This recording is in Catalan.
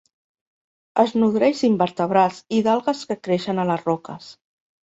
Es nodreix d'invertebrats i d'algues que creixen a les roques.